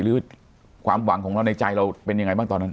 หรือความหวังของเราในใจเราเป็นยังไงบ้างตอนนั้น